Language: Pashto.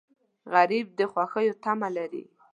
غریب د خوښیو تمه لري